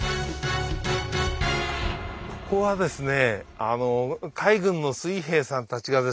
ここはですね